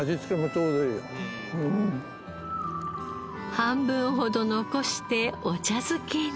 半分ほど残してお茶漬けに。